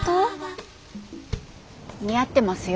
似合ってますよ。